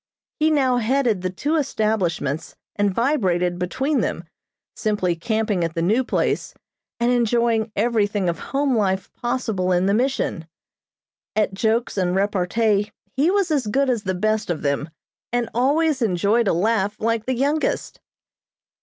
He now headed the two establishments and vibrated between them, simply camping at the new place and enjoying everything of home life possible in the Mission. At jokes and repartee he was as good as the best of them, and always enjoyed a laugh like the youngest.